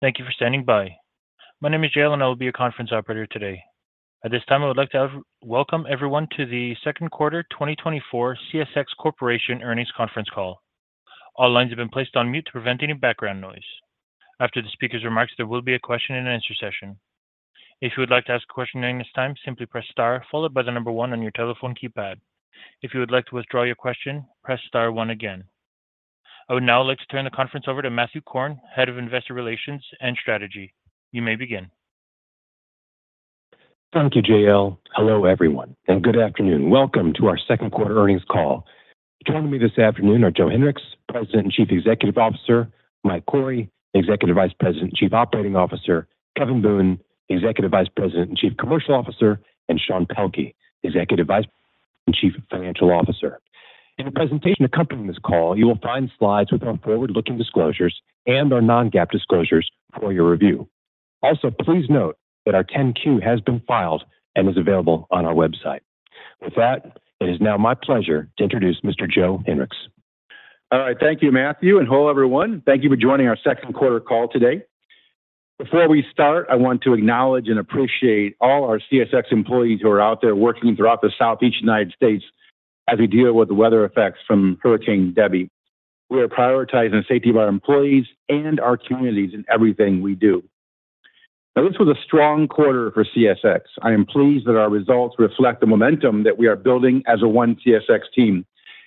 Thank you for standing by. My name is Jalen, and I will be your conference operator today. At this time, I would like to welcome everyone to the second quarter 2024 CSX Corporation earnings conference call. All lines have been placed on mute to prevent any background noise. After the speaker's remarks, there will be a question-and-answer session. If you would like to ask a question during this time, simply press star followed by the number one on your telephone keypad. If you would like to withdraw your question, press star one again. I would now like to turn the conference over to Matthew Korn, Head of Investor Relations and Strategy. You may begin. Thank you, Jalen. Hello, everyone, and good afternoon. Welcome to our second quarter earnings call. Joining me this afternoon are Joe Hinrichs, President and Chief Executive Officer, Mike Cory, Executive Vice President and Chief Operating Officer, Kevin Boone, Executive Vice President and Chief Commercial Officer, and Sean Pelkey, Executive Vice President and Chief Financial Officer. In the presentation accompanying this call, you will find slides with our forward-looking disclosures and our non-GAAP disclosures for your review. Also, please note that our 10-Q has been filed and is available on our website. With that, it is now my pleasure to introduce Mr. Joe Hinrichs. All right. Thank you, Matthew, and hello, everyone. Thank you for joining our second quarter call today. Before we start, I want to acknowledge and appreciate all our CSX employees who are out there working throughout the Southeast United States as we deal with the weather effects from Hurricane Debby. We are prioritizing the safety of our employees and our communities in everything we do. Now, this was a strong quarter for CSX. I am pleased that our results reflect the momentum that we are building as a One CSX team,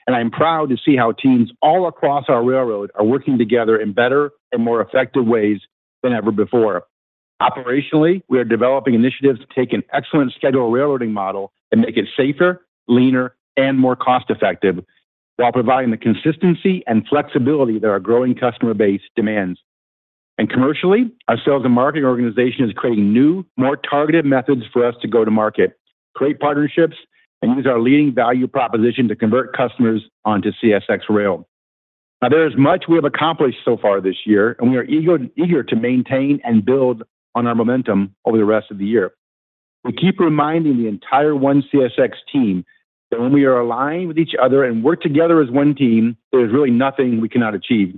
and I am proud to see how teams all across our railroad are working together in better and more effective ways than ever before. Operationally, we are developing initiatives to take an excellent Scheduled Railroading model and make it safer, leaner, and more cost-effective while providing the consistency and flexibility that our growing customer base demands. Commercially, our sales and marketing organization is creating new, more targeted methods for us to go to market, create partnerships, and use our leading value proposition to convert customers onto CSX rail. Now, there is much we have accomplished so far this year, and we are eager to maintain and build on our momentum over the rest of the year. We keep reminding the entire One CSX team that when we are aligned with each other and work together as one team, there is really nothing we cannot achieve.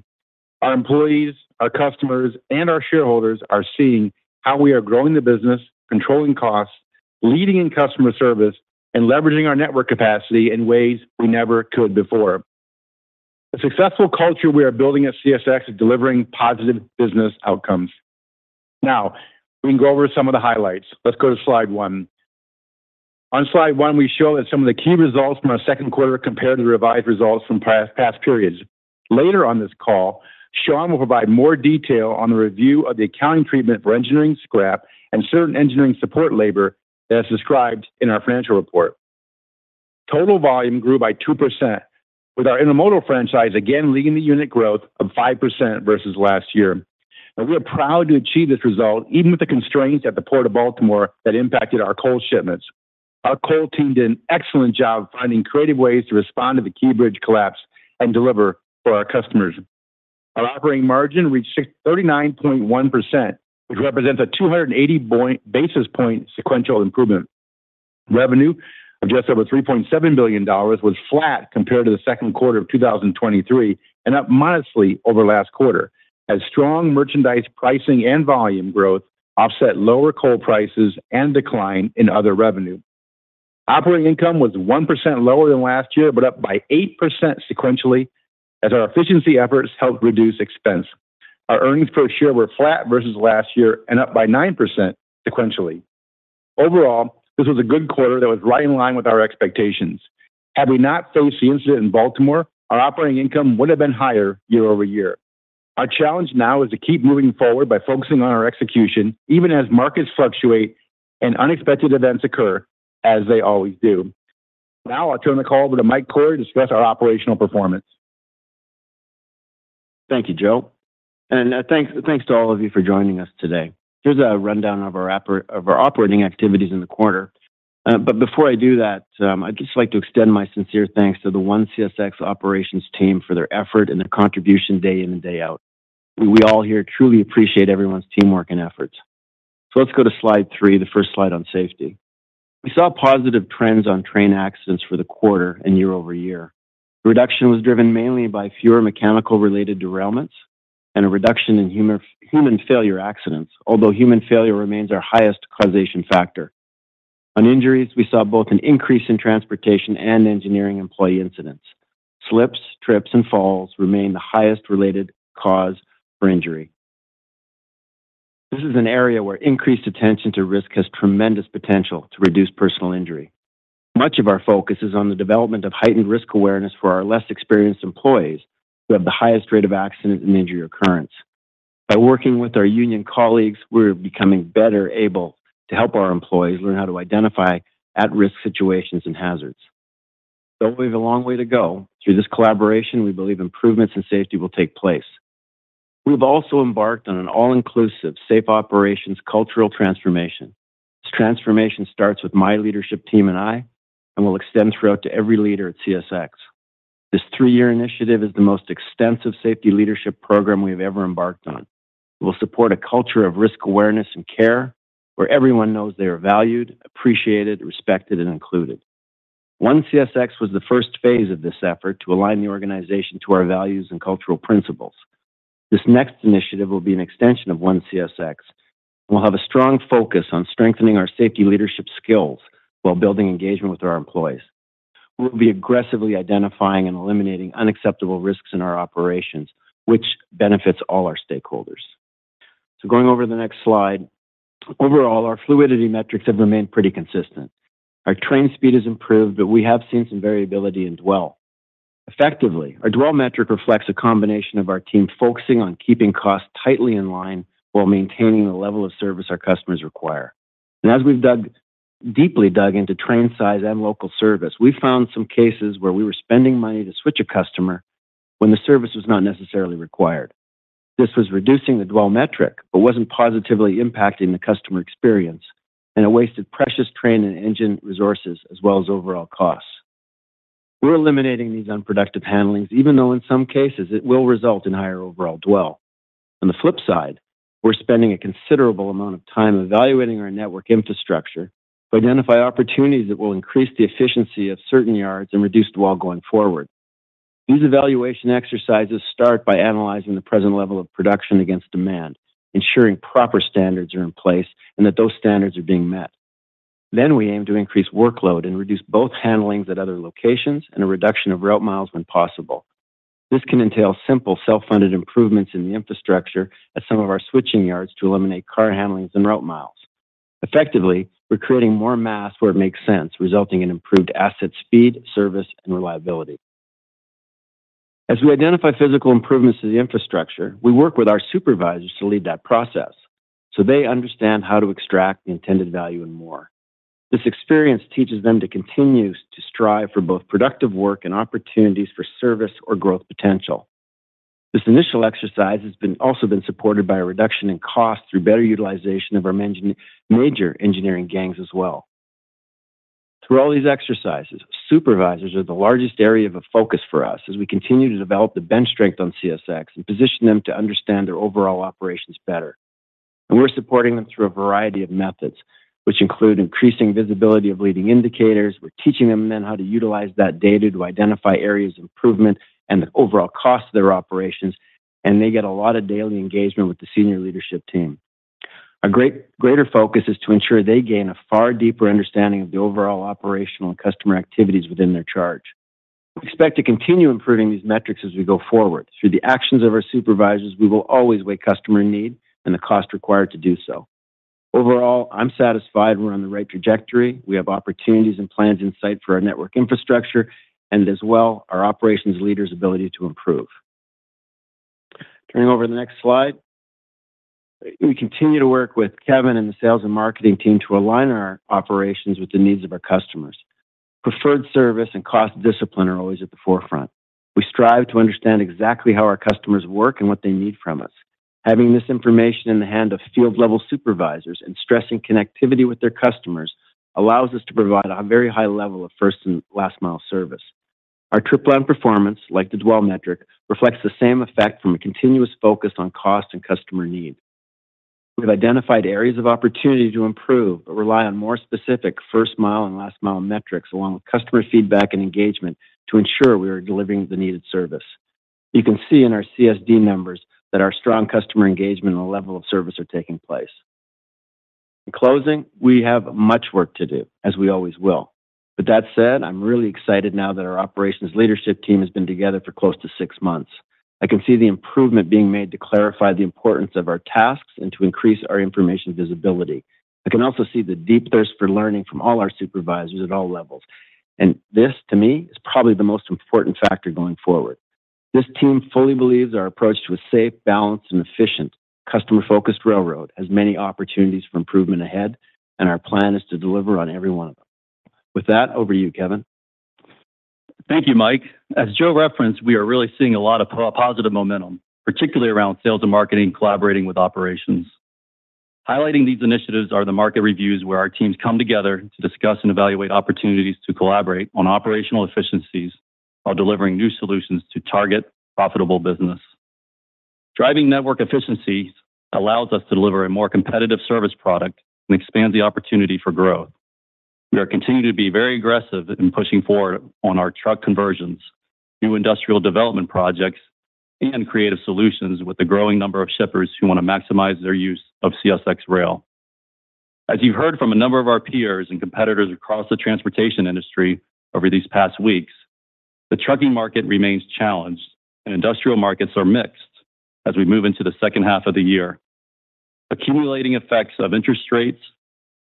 Our employees, our customers, and our shareholders are seeing how we are growing the business, controlling costs, leading in customer service, and leveraging our network capacity in ways we never could before. The successful culture we are building at CSX is delivering positive business outcomes. Now, we can go over some of the highlights. Let's go to slide one. On slide one, we show that some of the key results from our second quarter compared to the revised results from past periods. Later on this call, Sean will provide more detail on the review of the accounting treatment for engineering scrap and certain engineering support labor that is described in our financial report. Total volume grew by 2%, with our intermodal franchise again leading the unit growth of 5% versus last year. Now, we are proud to achieve this result, even with the constraints at the Port of Baltimore that impacted our coal shipments. Our coal team did an excellent job finding creative ways to respond to the Key Bridge collapse and deliver for our customers. Our operating margin reached 39.1%, which represents a 280 basis point sequential improvement. Revenue of just over $3.7 billion was flat compared to the second quarter of 2023 and up modestly over last quarter, as strong merchandise pricing and volume growth offset lower coal prices and decline in other revenue. Operating income was 1% lower than last year, but up by 8% sequentially as our efficiency efforts helped reduce expense. Our earnings per share were flat versus last year and up by 9% sequentially. Overall, this was a good quarter that was right in line with our expectations. Had we not faced the incident in Baltimore, our operating income would have been higher year-over-year. Our challenge now is to keep moving forward by focusing on our execution, even as markets fluctuate and unexpected events occur, as they always do. Now, I'll turn the call to Mike Cory to discuss our operational performance. Thank you, Joe. Thanks to all of you for joining us today. Here's a rundown of our operating activities in the quarter. Before I do that, I'd just like to extend my sincere thanks to the One CSX operations team for their effort and their contribution day in and day out. We all here truly appreciate everyone's teamwork and efforts. Let's go to slide 3, the first slide on safety. We saw positive trends on train accidents for the quarter and year-over-year. The reduction was driven mainly by fewer mechanical-related derailments and a reduction in human factor accidents, although human factor remains our highest causation factor. On injuries, we saw both an increase in transportation and engineering employee incidents. Slips, trips, and falls remain the highest related cause for injury. This is an area where increased attention to risk has tremendous potential to reduce personal injury. Much of our focus is on the development of heightened risk awareness for our less experienced employees who have the highest rate of accident and injury occurrence. By working with our union colleagues, we're becoming better able to help our employees learn how to identify at-risk situations and hazards. Though we have a long way to go, through this collaboration, we believe improvements in safety will take place. We've also embarked on an all-inclusive safe operations cultural transformation. This transformation starts with my leadership team and I, and will extend throughout to every leader at CSX. This 3-year initiative is the most extensive safety leadership program we have ever embarked on. We'll support a culture of risk awareness and care where everyone knows they are valued, appreciated, respected, and included. One CSX was the first phase of this effort to align the organization to our values and cultural principles. This next initiative will be an extension of One CSX and will have a strong focus on strengthening our safety leadership skills while building engagement with our employees. We will be aggressively identifying and eliminating unacceptable risks in our operations, which benefits all our stakeholders. So going over to the next slide, overall, our fluidity metrics have remained pretty consistent. Our train speed has improved, but we have seen some variability in dwell. Effectively, our dwell metric reflects a combination of our team focusing on keeping costs tightly in line while maintaining the level of service our customers require. And as we've deeply dug into train size and local service, we found some cases where we were spending money to switch a customer when the service was not necessarily required. This was reducing the dwell metric but wasn't positively impacting the customer experience, and it wasted precious train and engine resources as well as overall costs. We're eliminating these unproductive handlings, even though in some cases it will result in higher overall dwell. On the flip side, we're spending a considerable amount of time evaluating our network infrastructure to identify opportunities that will increase the efficiency of certain yards and reduce dwell going forward. These evaluation exercises start by analyzing the present level of production against demand, ensuring proper standards are in place, and that those standards are being met. Then we aim to increase workload and reduce both handlings at other locations and a reduction of route miles when possible. This can entail simple self-funded improvements in the infrastructure at some of our switching yards to eliminate car handlings and route miles. Effectively, we're creating more mass where it makes sense, resulting in improved asset speed, service, and reliability. As we identify physical improvements to the infrastructure, we work with our supervisors to lead that process so they understand how to extract the intended value and more. This experience teaches them to continue to strive for both productive work and opportunities for service or growth potential. This initial exercise has also been supported by a reduction in costs through better utilization of our major engineering gangs as well. Through all these exercises, supervisors are the largest area of focus for us as we continue to develop the bench strength on CSX and position them to understand their overall operations better. We're supporting them through a variety of methods, which include increasing visibility of leading indicators. We're teaching them then how to utilize that data to identify areas of improvement and the overall cost of their operations, and they get a lot of daily engagement with the senior leadership team. Our greater focus is to ensure they gain a far deeper understanding of the overall operational and customer activities within their charge. We expect to continue improving these metrics as we go forward. Through the actions of our supervisors, we will always weigh customer need and the cost required to do so. Overall, I'm satisfied we're on the right trajectory. We have opportunities and plans in sight for our network infrastructure and as well our operations leader's ability to improve. Turning over to the next slide, we continue to work with Kevin and the sales and marketing team to align our operations with the needs of our customers. Preferred service and cost discipline are always at the forefront. We strive to understand exactly how our customers work and what they need from us. Having this information in the hand of field-level supervisors and stressing connectivity with their customers allows us to provide a very high level of first and last-mile service. Our trip plan performance, like the dwell metric, reflects the same effect from a continuous focus on cost and customer need. We've identified areas of opportunity to improve but rely on more specific first-mile and last-mile metrics along with customer feedback and engagement to ensure we are delivering the needed service. You can see in our CSAT numbers that our strong customer engagement and the level of service are taking place. In closing, we have much work to do, as we always will. With that said, I'm really excited now that our operations leadership team has been together for close to six months. I can see the improvement being made to clarify the importance of our tasks and to increase our information visibility. I can also see the deep thirst for learning from all our supervisors at all levels. And this, to me, is probably the most important factor going forward. This team fully believes our approach to a safe, balanced, and efficient customer-focused railroad has many opportunities for improvement ahead, and our plan is to deliver on every one of them. With that, over to you, Kevin. Thank you, Mike. As Joe referenced, we are really seeing a lot of positive momentum, particularly around sales and marketing collaborating with operations. Highlighting these initiatives are the market reviews where our teams come together to discuss and evaluate opportunities to collaborate on operational efficiencies while delivering new solutions to target profitable business. Driving network efficiency allows us to deliver a more competitive service product and expands the opportunity for growth. We are continuing to be very aggressive in pushing forward on our truck conversions, new industrial development projects, and creative solutions with the growing number of shippers who want to maximize their use of CSX rail. As you've heard from a number of our peers and competitors across the transportation industry over these past weeks, the trucking market remains challenged and industrial markets are mixed as we move into the second half of the year. Accumulating effects of interest rates,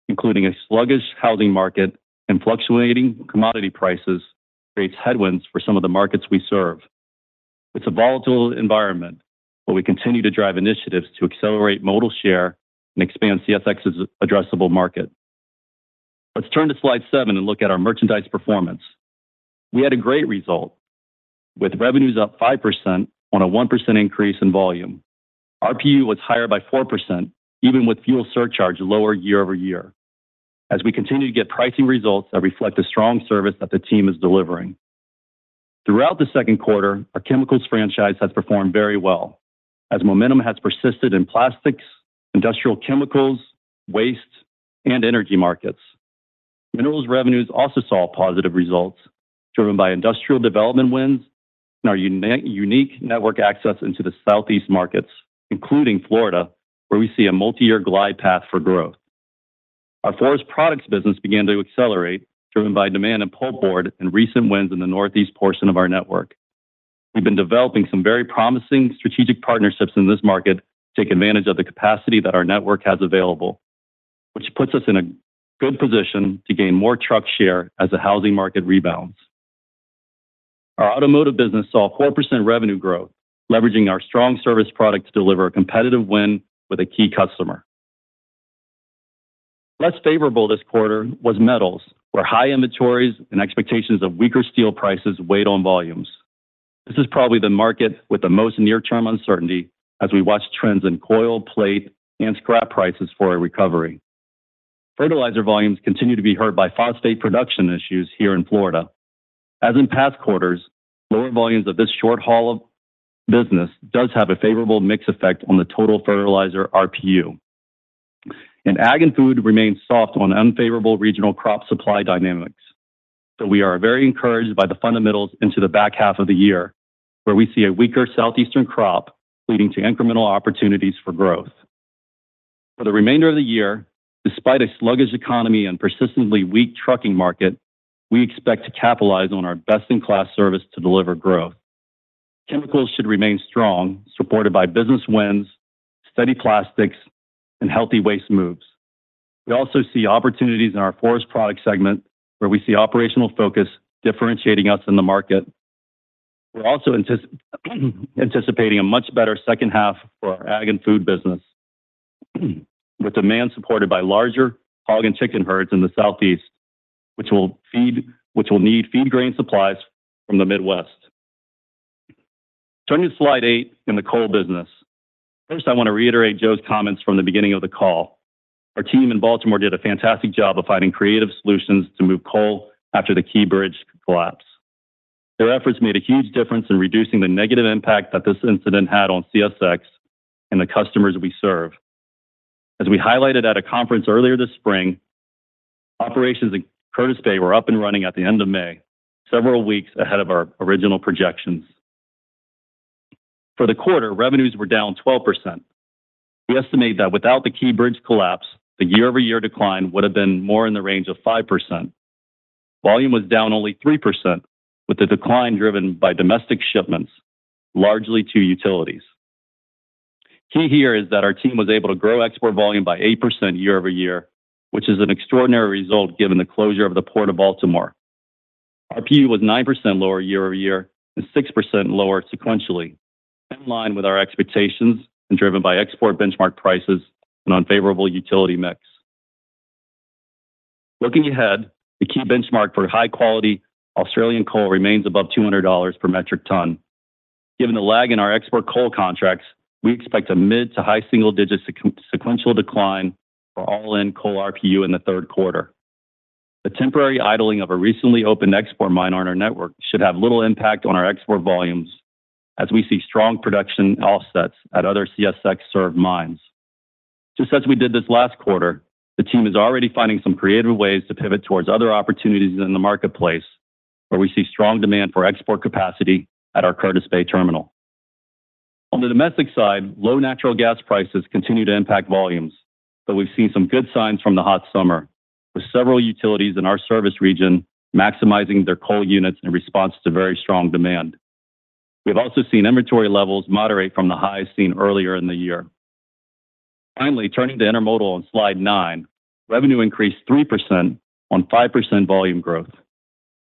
including a sluggish housing market and fluctuating commodity prices, create headwinds for some of the markets we serve. It's a volatile environment, but we continue to drive initiatives to accelerate modal share and expand CSX's addressable market. Let's turn to slide 7 and look at our merchandise performance. We had a great result with revenues up 5% on a 1% increase in volume. RPU was higher by 4%, even with fuel surcharge lower year-over-year. As we continue to get pricing results that reflect the strong service that the team is delivering. Throughout the second quarter, our chemicals franchise has performed very well as momentum has persisted in plastics, industrial chemicals, waste, and energy markets. Minerals revenues also saw positive results driven by industrial development wins and our unique network access into the southeast markets, including Florida, where we see a multi-year glide path for growth. Our forest products business began to accelerate driven by demand and pulpboard and recent wins in the northeast portion of our network. We've been developing some very promising strategic partnerships in this market to take advantage of the capacity that our network has available, which puts us in a good position to gain more truck share as the housing market rebounds. Our automotive business saw 4% revenue growth, leveraging our strong service product to deliver a competitive win with a key customer. Less favorable this quarter was metals, where high inventories and expectations of weaker steel prices weighed on volumes. This is probably the market with the most near-term uncertainty as we watch trends in coil, plate, and scrap prices for a recovery. Fertilizer volumes continue to be hurt by phosphate production issues here in Florida. As in past quarters, lower volumes of this short haul of business do have a favorable mix effect on the total fertilizer RPU. Ag and Food remains soft on unfavorable regional crop supply dynamics. We are very encouraged by the fundamentals into the back half of the year, where we see a weaker southeastern crop leading to incremental opportunities for growth. For the remainder of the year, despite a sluggish economy and persistently weak trucking market, we expect to capitalize on our best-in-class service to deliver growth. Chemicals should remain strong, supported by business wins, steady plastics, and healthy waste moves. We also see opportunities in our Forest Products segment, where we see operational focus differentiating us in the market. We're also anticipating a much better second half for our Ag and Food business, with demand supported by larger hog and chicken herds in the Southeast, which will need feed grain supplies from the Midwest. Turning to slide 8 in the coal business. First, I want to reiterate Joe's comments from the beginning of the call. Our team in Baltimore did a fantastic job of finding creative solutions to move coal after the Key Bridge collapse. Their efforts made a huge difference in reducing the negative impact that this incident had on CSX and the customers we serve. As we highlighted at a conference earlier this spring, operations in Curtis Bay were up and running at the end of May, several weeks ahead of our original projections. For the quarter, revenues were down 12%. We estimate that without the Key Bridge collapse, the year-over-year decline would have been more in the range of 5%. Volume was down only 3%, with the decline driven by domestic shipments, largely to utilities. Key here is that our team was able to grow export volume by 8% year-over-year, which is an extraordinary result given the closure of the Port of Baltimore. RPU was 9% lower year-over-year and 6% lower sequentially, in line with our expectations and driven by export benchmark prices and unfavorable utility mix. Looking ahead, the key benchmark for high-quality Australian coal remains above $200 per metric ton. Given the lag in our export coal contracts, we expect a mid to high single-digit sequential decline for all-in coal RPU in the third quarter. The temporary idling of a recently opened export mine on our network should have little impact on our export volumes as we see strong production offsets at other CSX-served mines. Just as we did this last quarter, the team is already finding some creative ways to pivot towards other opportunities in the marketplace, where we see strong demand for export capacity at our Curtis Bay terminal. On the domestic side, low natural gas prices continue to impact volumes, but we've seen some good signs from the hot summer, with several utilities in our service region maximizing their coal units in response to very strong demand. We have also seen inventory levels moderate from the highs seen earlier in the year. Finally, turning to Intermodal on slide nine, revenue increased 3% on 5% volume growth.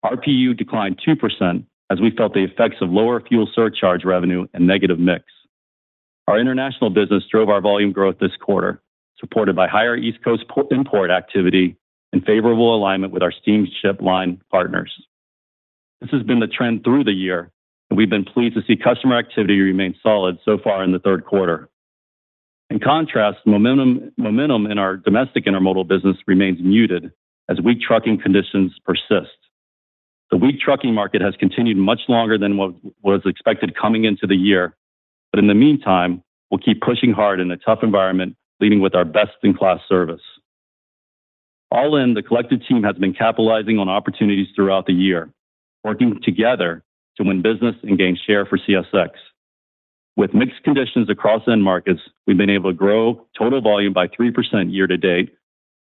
RPU declined 2% as we felt the effects of lower fuel surcharge revenue and negative mix. Our international business drove our volume growth this quarter, supported by higher East Coast import activity and favorable alignment with our steamship line partners. This has been the trend through the year, and we've been pleased to see customer activity remain solid so far in the third quarter. In contrast, momentum in our domestic Intermodal business remains muted as weak trucking conditions persist. The weak trucking market has continued much longer than what was expected coming into the year, but in the meantime, we'll keep pushing hard in a tough environment, leading with our best-in-class service. All in, the collective team has been capitalizing on opportunities throughout the year, working together to win business and gain share for CSX. With mixed conditions across end markets, we've been able to grow total volume by 3% year-to-date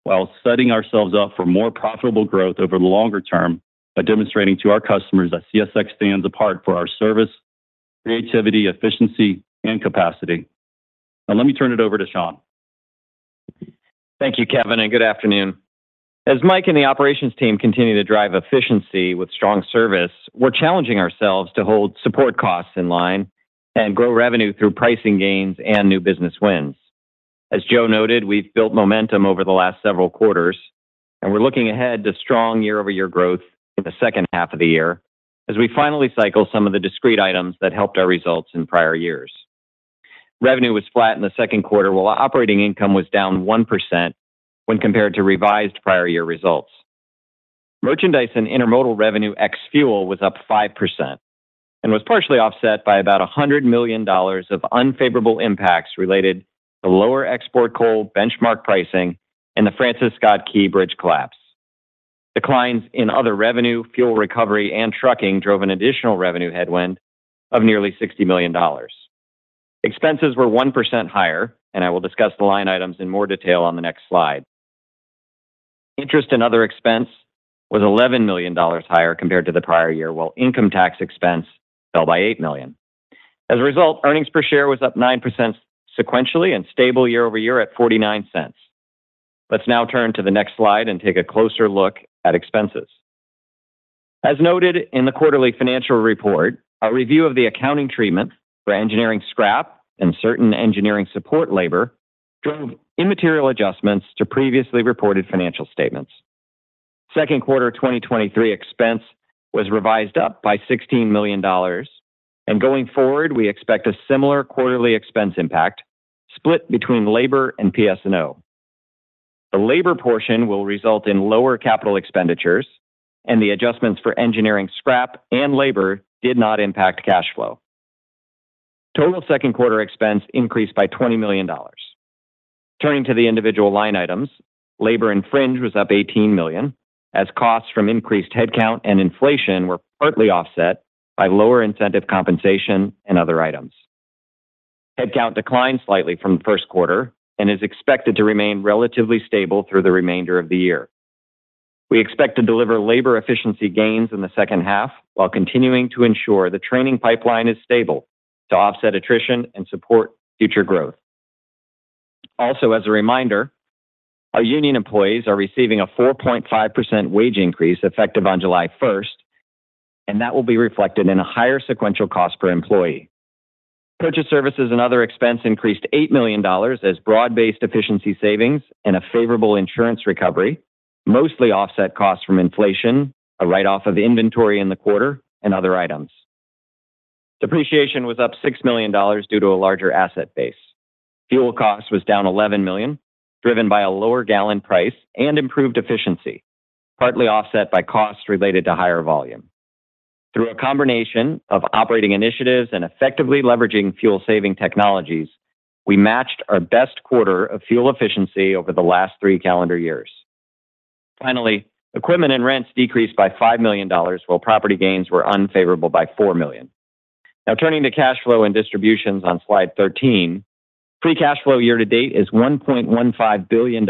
while setting ourselves up for more profitable growth over the longer term by demonstrating to our customers that CSX stands apart for our service, creativity, efficiency, and capacity. Now, let me turn it over to Sean. Thank you, Kevin, and good afternoon. As Mike and the operations team continue to drive efficiency with strong service, we're challenging ourselves to hold support costs in line and grow revenue through pricing gains and new business wins. As Joe noted, we've built momentum over the last several quarters, and we're looking ahead to strong year-over-year growth in the second half of the year as we finally cycle some of the discrete items that helped our results in prior years. Revenue was flat in the second quarter while operating income was down 1% when compared to revised prior year results. Merchandise and Intermodal revenue ex-fuel was up 5% and was partially offset by about $100 million of unfavorable impacts related to lower export coal benchmark pricing and the Francis Scott Key Bridge collapse. Declines in other revenue, fuel recovery, and trucking drove an additional revenue headwind of nearly $60 million. Expenses were 1% higher, and I will discuss the line items in more detail on the next slide. Interest and other expense was $11 million higher compared to the prior year, while income tax expense fell by $8 million. As a result, earnings per share was up 9% sequentially and stable year-over-year at $0.49. Let's now turn to the next slide and take a closer look at expenses. As noted in the quarterly financial report, a review of the accounting treatment for engineering scrap and certain engineering support labor drove immaterial adjustments to previously reported financial statements. Second quarter 2023 expense was revised up by $16 million, and going forward, we expect a similar quarterly expense impact split between labor and PS&O. The labor portion will result in lower capital expenditures, and the adjustments for engineering scrap and labor did not impact cash flow. Total second quarter expense increased by $20 million. Turning to the individual line items, labor expense was up $18 million as costs from increased headcount and inflation were partly offset by lower incentive compensation and other items. Headcount declined slightly from the first quarter and is expected to remain relatively stable through the remainder of the year. We expect to deliver labor efficiency gains in the second half while continuing to ensure the training pipeline is stable to offset attrition and support future growth. Also, as a reminder, our union employees are receiving a 4.5% wage increase effective on July 1st, and that will be reflected in a higher sequential cost per employee. Purchased services and other expense increased $8 million as broad-based efficiency savings and a favorable insurance recovery mostly offset costs from inflation, a write-off of inventory in the quarter, and other items. Depreciation was up $6 million due to a larger asset base. Fuel cost was down $11 million, driven by a lower gallon price and improved efficiency, partly offset by costs related to higher volume. Through a combination of operating initiatives and effectively leveraging fuel-saving technologies, we matched our best quarter of fuel efficiency over the last three calendar years. Finally, equipment and rents decreased by $5 million, while property gains were unfavorable by $4 million. Now, turning to cash flow and distributions on slide 13, free cash flow year-to-date is $1.15 billion.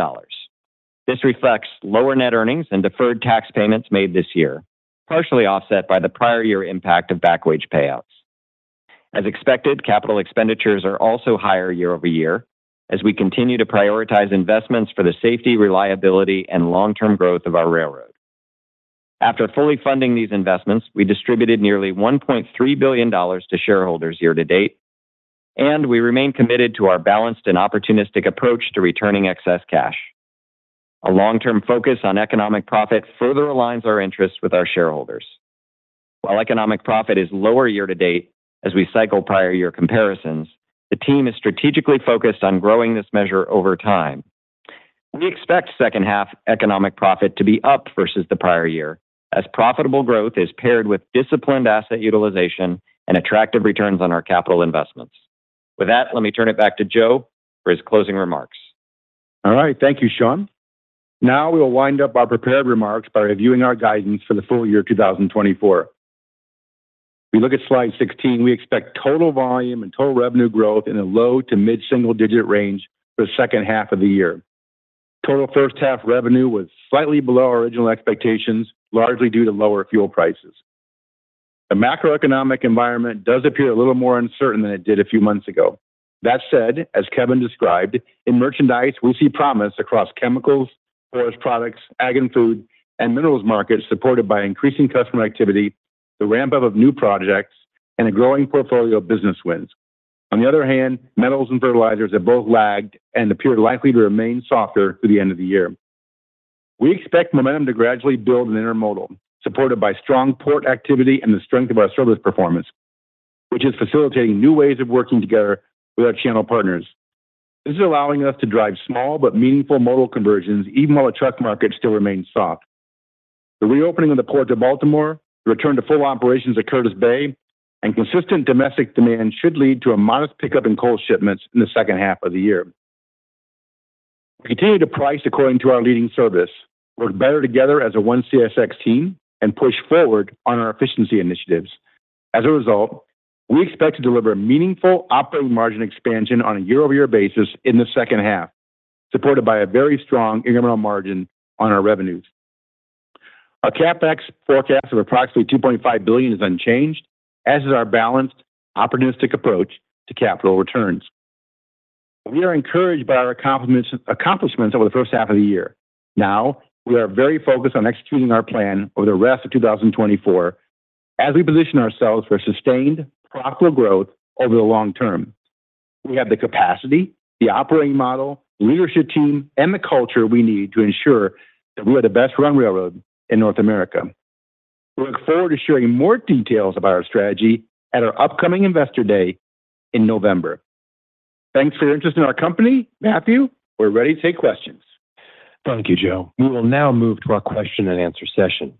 This reflects lower net earnings and deferred tax payments made this year, partially offset by the prior year impact of back wage payouts. As expected, capital expenditures are also higher year-over-year as we continue to prioritize investments for the safety, reliability, and long-term growth of our railroad. After fully funding these investments, we distributed nearly $1.3 billion to shareholders year-to-date, and we remain committed to our balanced and opportunistic approach to returning excess cash. A long-term focus on Economic Profit further aligns our interests with our shareholders. While Economic Profit is lower year-to-date as we cycle prior year comparisons, the team is strategically focused on growing this measure over time. We expect second half Economic Profit to be up versus the prior year as profitable growth is paired with disciplined asset utilization and attractive returns on our capital investments. With that, let me turn it back to Joe for his closing remarks. All right. Thank you, Sean. Now, we will wind up our prepared remarks by reviewing our guidance for the full year 2024. We look at slide 16. We expect total volume and total revenue growth in a low to mid-single-digit range for the second half of the year. Total first-half revenue was slightly below original expectations, largely due to lower fuel prices. The macroeconomic environment does appear a little more uncertain than it did a few months ago. That said, as Kevin described, in merchandise, we see promise across chemicals, forest products, ag and food, and minerals markets supported by increasing customer activity, the ramp-up of new projects, and a growing portfolio of business wins. On the other hand, metals and fertilizers have both lagged and appear likely to remain softer through the end of the year. We expect momentum to gradually build in Intermodal, supported by strong port activity and the strength of our service performance, which is facilitating new ways of working together with our channel partners. This is allowing us to drive small but meaningful modal conversions even while the truck market still remains soft. The reopening of the Port of Baltimore, the return to full operations at Curtis Bay, and consistent domestic demand should lead to a modest pickup in coal shipments in the second half of the year. We continue to price according to our leading service, work better together as a One CSX team, and push forward on our efficiency initiatives. As a result, we expect to deliver a meaningful operating margin expansion on a year-over-year basis in the second half, supported by a very strong incremental margin on our revenues. Our CapEx forecast of approximately $2.5 billion is unchanged, as is our balanced, opportunistic approach to capital returns. We are encouraged by our accomplishments over the first half of the year. Now, we are very focused on executing our plan over the rest of 2024 as we position ourselves for sustained, profitable growth over the long term. We have the capacity, the operating model, leadership team, and the culture we need to ensure that we are the best-run railroad in North America. We look forward to sharing more details about our strategy at our upcoming investor day in November. Thanks for your interest in our company, Matthew. We're ready to take questions. Thank you, Joe. We will now move to our question-and-answer session.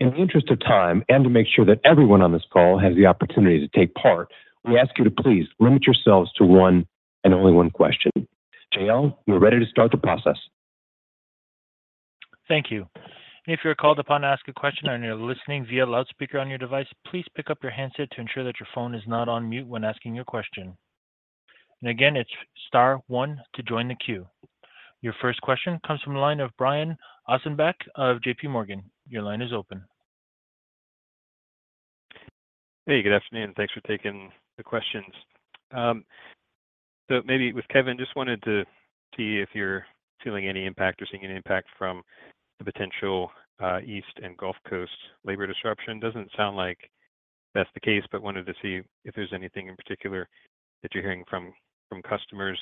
In the interest of time and to make sure that everyone on this call has the opportunity to take part, we ask you to please limit yourselves to one and only one question. Jalen, you're ready to start the process. Thank you. If you're called upon to ask a question and you're listening via loudspeaker on your device, please pick up your handset to ensure that your phone is not on mute when asking your question. Again, it's star one to join the queue. Your first question comes from the line of Brian Ossenbeck of JPMorgan. Your line is open. Hey, good afternoon. Thanks for taking the questions. So maybe with Kevin, just wanted to see if you're feeling any impact or seeing any impact from the potential East Coast and Gulf Coast labor disruption. Doesn't sound like that's the case, but wanted to see if there's anything in particular that you're hearing from customers.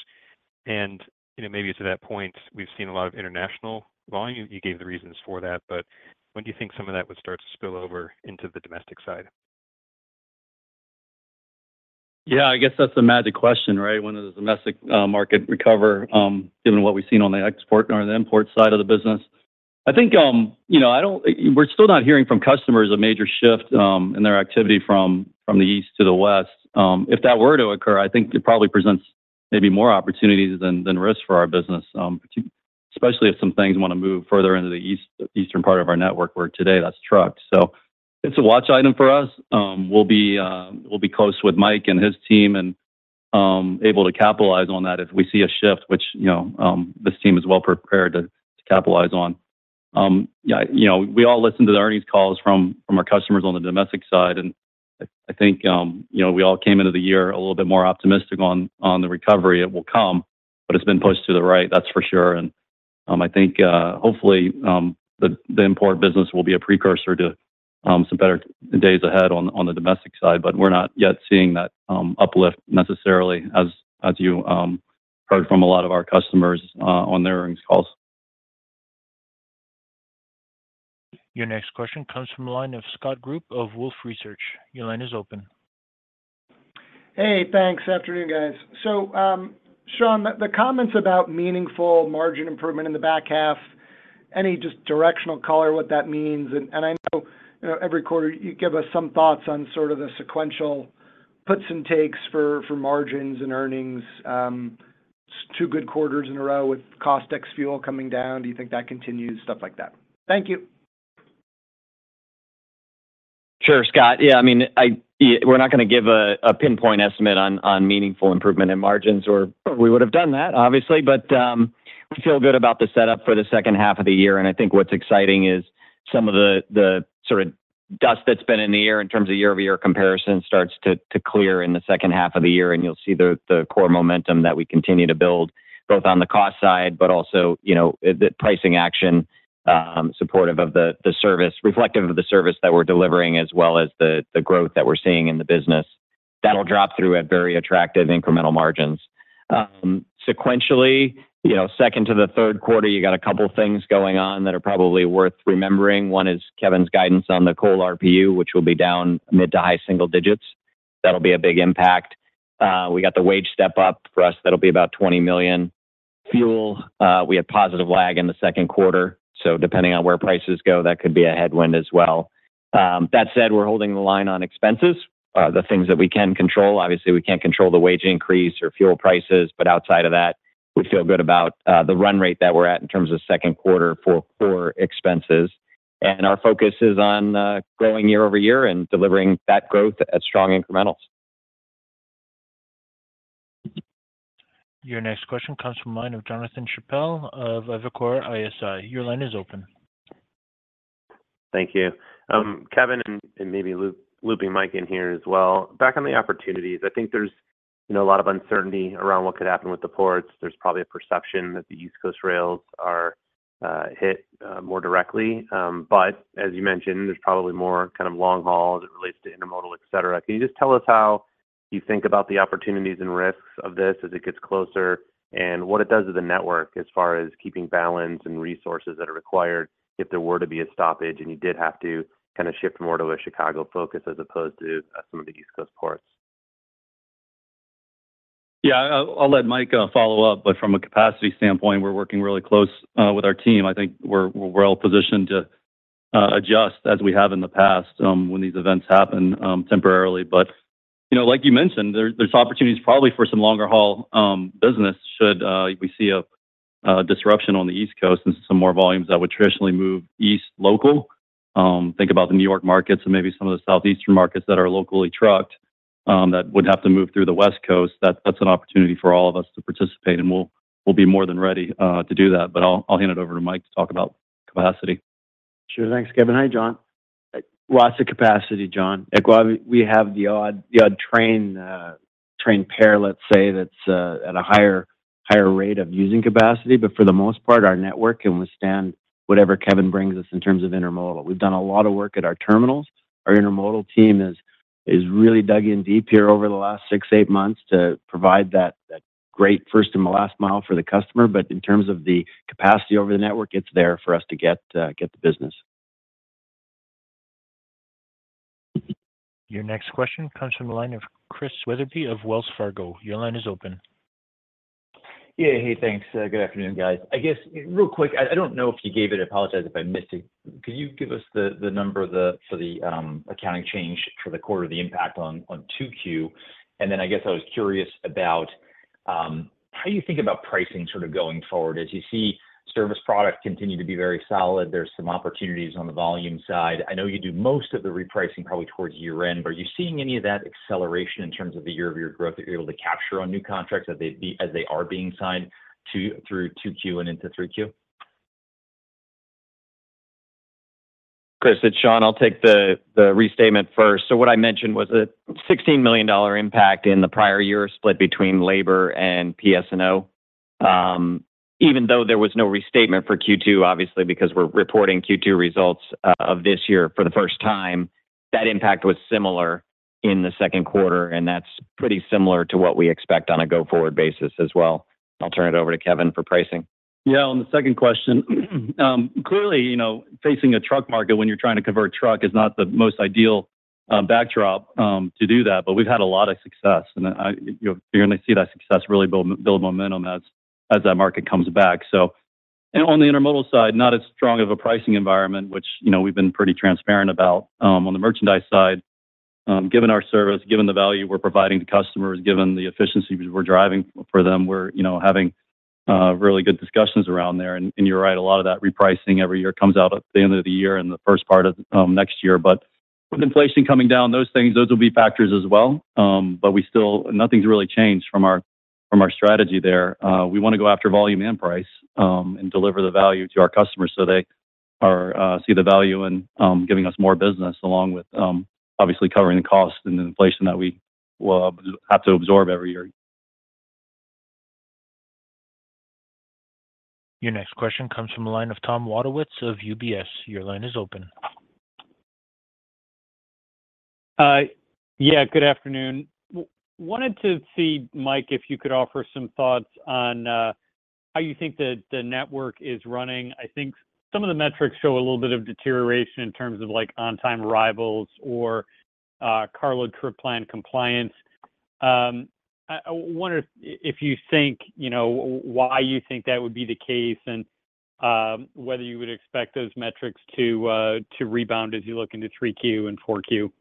And maybe to that point, we've seen a lot of international volume. You gave the reasons for that, but when do you think some of that would start to spill over into the domestic side? Yeah, I guess that's the magic question, right? When does the domestic market recover, given what we've seen on the export or the import side of the business? I think we're still not hearing from customers a major shift in their activity from the East to the West. If that were to occur, I think it probably presents maybe more opportunities than risk for our business, especially if some things want to move further into the eastern part of our network, where today that's trucks. So it's a watch item for us. We'll be close with Mike and his team and able to capitalize on that if we see a shift, which this team is well prepared to capitalize on. We all listen to the earnings calls from our customers on the domestic side, and I think we all came into the year a little bit more optimistic on the recovery that will come, but it's been pushed to the right, that's for sure. And I think hopefully the import business will be a precursor to some better days ahead on the domestic side, but we're not yet seeing that uplift necessarily, as you heard from a lot of our customers on their earnings calls. Your next question comes from the line of Scott Group of Wolfe Research. Your line is open. Hey, thanks. Afternoon, guys. So, Sean, the comments about meaningful margin improvement in the back half, any just directional color what that means? And I know every quarter you give us some thoughts on sort of the sequential puts and takes for margins and earnings. Two good quarters in a row with cost ex-fuel coming down. Do you think that continues? Stuff like that. Thank you. Sure, Scott. Yeah, I mean, we're not going to give a pinpoint estimate on meaningful improvement in margins. We would have done that, obviously, but we feel good about the setup for the second half of the year. I think what's exciting is some of the sort of dust that's been in the air in terms of year-over-year comparison starts to clear in the second half of the year, and you'll see the core momentum that we continue to build both on the cost side, but also the pricing action supportive of the service, reflective of the service that we're delivering, as well as the growth that we're seeing in the business. That'll drop through at very attractive incremental margins. Sequentially, second to the third quarter, you got a couple of things going on that are probably worth remembering. One is Kevin's guidance on the coal RPU, which will be down mid to high single digits. That'll be a big impact. We got the wage step up for us. That'll be about $20 million. Fuel, we had positive lag in the second quarter. So depending on where prices go, that could be a headwind as well. That said, we're holding the line on expenses, the things that we can control. Obviously, we can't control the wage increase or fuel prices, but outside of that, we feel good about the run rate that we're at in terms of second quarter for core expenses. Our focus is on growing year-over-year and delivering that growth at strong incrementals. Your next question comes from the line of Jonathan Chappell of Evercore ISI. Your line is open. Thank you. Kevin, and maybe looping Mike in here as well. Back on the opportunities, I think there's a lot of uncertainty around what could happen with the ports. There's probably a perception that the East Coast rails are hit more directly. But as you mentioned, there's probably more kind of long haul as it relates to Intermodal, etc. Can you just tell us how you think about the opportunities and risks of this as it gets closer and what it does to the network as far as keeping balance and resources that are required if there were to be a stoppage and you did have to kind of shift more to a Chicago focus as opposed to some of the East Coast ports? Yeah, I'll let Mike follow up, but from a capacity standpoint, we're working really close with our team. I think we're well positioned to adjust as we have in the past when these events happen temporarily. But like you mentioned, there's opportunities probably for some longer haul business should we see a disruption on the East Coast and some more volumes that would traditionally move east local. Think about the New York markets and maybe some of the Southeastern markets that are locally trucked that would have to move through the West Coast. That's an opportunity for all of us to participate, and we'll be more than ready to do that. But I'll hand it over to Mike to talk about capacity. Sure. Thanks, Kevin. Hey, John. Lots of capacity, John. We have the odd train pair, let's say, that's at a higher rate of using capacity, but for the most part, our network can withstand whatever Kevin brings us in terms of Intermodal. We've done a lot of work at our terminals. Our Intermodal team has really dug in deep here over the last 6-8 months to provide that great first and last mile for the customer. But in terms of the capacity over the network, it's there for us to get the business. Your next question comes from the line of Christian Wetherbee of Wells Fargo. Your line is open. Yeah, hey, thanks. Good afternoon, guys. I guess real quick, I don't know if you gave it. I apologize if I missed it. Could you give us the number for the accounting change for the quarter, the impact on 2Q? And then I guess I was curious about how you think about pricing sort of going forward. As you see service product continue to be very solid, there's some opportunities on the volume side. I know you do most of the repricing probably towards year-end, but are you seeing any of that acceleration in terms of the year-over-year growth that you're able to capture on new contracts as they are being signed through 2Q and into 3Q? Chris, it's Sean. I'll take the restatement first. So what I mentioned was a $16 million impact in the prior year split between labor and PS&O. Even though there was no restatement for Q2, obviously, because we're reporting Q2 results of this year for the first time, that impact was similar in the second quarter, and that's pretty similar to what we expect on a go-forward basis as well. I'll turn it over to Kevin for pricing. Yeah, on the second question, clearly facing a truck market when you're trying to convert truck is not the most ideal backdrop to do that, but we've had a lot of success. And you're going to see that success really build momentum as that market comes back. So on the Intermodal side, not as strong of a pricing environment, which we've been pretty transparent about. On the Merchandise side, given our service, given the value we're providing to customers, given the efficiencies we're driving for them, we're having really good discussions around there. And you're right, a lot of that repricing every year comes out at the end of the year and the first part of next year. But with inflation coming down, those things, those will be factors as well. But nothing's really changed from our strategy there. We want to go after volume and price and deliver the value to our customers so they see the value in giving us more business, along with obviously covering the cost and the inflation that we will have to absorb every year. Your next question comes from the line of Thomas Wadewitz of UBS. Your line is open. Yeah, good afternoon. Wanted to see, Mike, if you could offer some thoughts on how you think the network is running. I think some of the metrics show a little bit of deterioration in terms of on-time arrivals or carload trip plan compliance. I wonder if you think why you think that would be the case and whether you would expect those metrics to rebound as you look into 3Q and 4Q.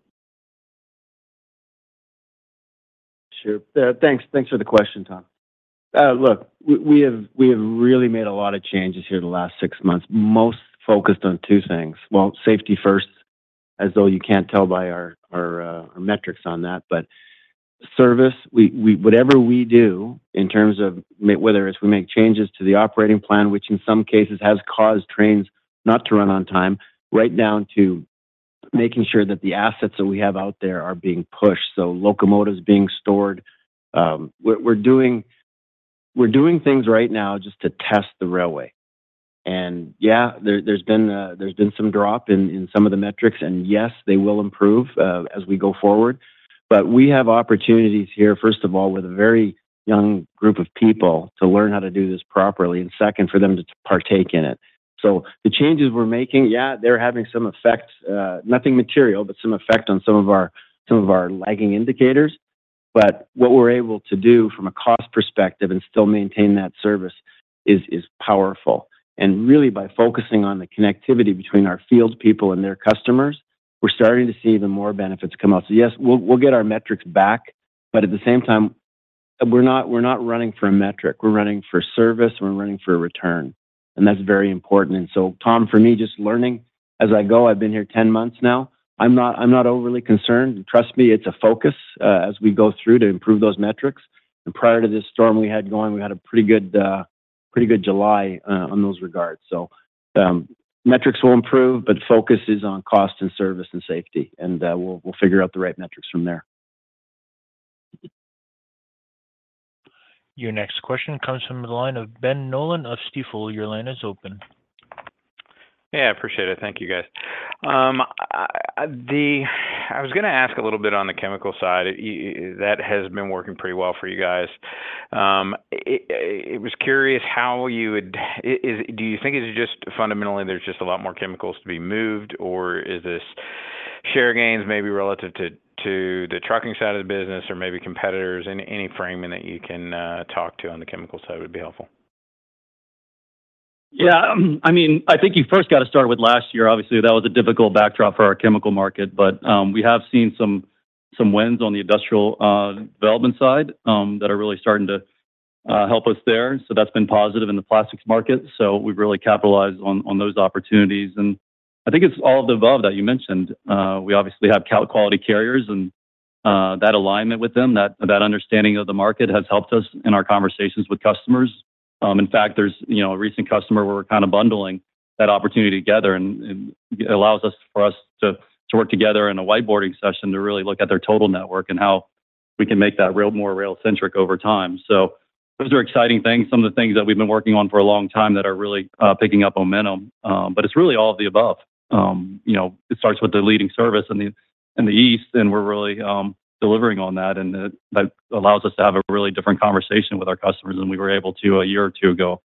Sure. Thanks for the question, Tom. Look, we have really made a lot of changes here the last six months, most focused on two things. Well, safety first, as though you can't tell by our metrics on that. But service, whatever we do in terms of whether it's we make changes to the operating plan, which in some cases has caused trains not to run on time, right down to making sure that the assets that we have out there are being pushed. So locomotives being stored. We're doing things right now just to test the railway. And yeah, there's been some drop in some of the metrics, and yes, they will improve as we go forward. But we have opportunities here, first of all, with a very young group of people to learn how to do this properly, and second, for them to partake in it. The changes we're making, yeah, they're having some effect, nothing material, but some effect on some of our lagging indicators. What we're able to do from a cost perspective and still maintain that service is powerful. Really, by focusing on the connectivity between our field people and their customers, we're starting to see even more benefits come out. Yes, we'll get our metrics back, but at the same time, we're not running for a metric. We're running for service, and we're running for a return. That's very important. Tom, for me, just learning as I go, I've been here 10 months now. I'm not overly concerned. Trust me, it's a focus as we go through to improve those metrics. Prior to this storm we had going, we had a pretty good July on those regards. Metrics will improve, but focus is on cost and service and safety. We'll figure out the right metrics from there. Your next question comes from the line of Ben Nolan of Stifel. Your line is open. Yeah, I appreciate it. Thank you, guys. I was going to ask a little bit on the chemical side. That has been working pretty well for you guys. I was curious, how do you think it's just fundamentally there's just a lot more chemicals to be moved, or is this share gains maybe relative to the trucking side of the business or maybe competitors? Any framing that you can talk to on the chemical side would be helpful. Yeah. I mean, I think you first got to start with last year. Obviously, that was a difficult backdrop for our chemical market, but we have seen some wins on the industrial development side that are really starting to help us there. So that's been positive in the plastics market. So we've really capitalized on those opportunities. And I think it's all of the above that you mentioned. We obviously have Quality Carriers, and that alignment with them, that understanding of the market has helped us in our conversations with customers. In fact, there's a recent customer where we're kind of bundling that opportunity together, and it allows for us to work together in a whiteboarding session to really look at their total network and how we can make that more rail-centric over time. Those are exciting things, some of the things that we've been working on for a long time that are really picking up momentum. It's really all of the above. It starts with the leading service in the East, and we're really delivering on that. That allows us to have a really different conversation with our customers than we were able to a year or two ago.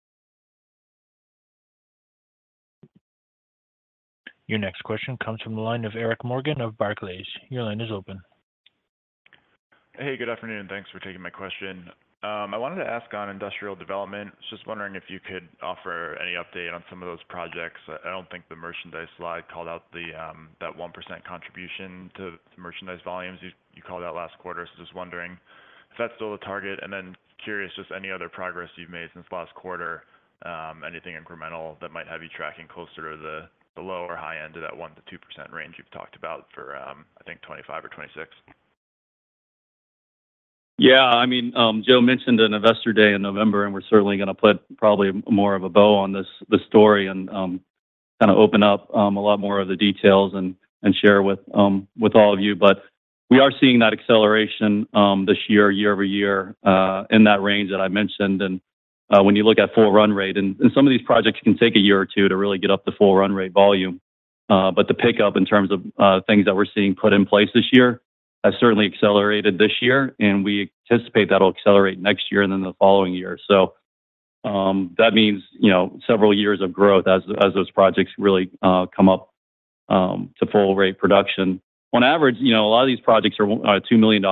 Your next question comes from the line of Eric Morgan of Barclays. Your line is open. Hey, good afternoon. Thanks for taking my question. I wanted to ask on industrial development. Just wondering if you could offer any update on some of those projects. I don't think the merchandise slide called out that 1% contribution to merchandise volumes. You called out last quarter. So just wondering if that's still the target. And then curious, just any other progress you've made since last quarter, anything incremental that might have you tracking closer to the low or high end of that 1%-2% range you've talked about for, I think, 2025 or 2026? Yeah. I mean, Joe mentioned an investor day in November, and we're certainly going to put probably more of a bow on this story and kind of open up a lot more of the details and share with all of you. But we are seeing that acceleration this year, year-over-year, in that range that I mentioned. And when you look at full run rate, and some of these projects can take a year or two to really get up to full run rate volume. But the pickup in terms of things that we're seeing put in place this year has certainly accelerated this year, and we anticipate that will accelerate next year and then the following year. So that means several years of growth as those projects really come up to full rate production. On average, a lot of these projects are $2 million.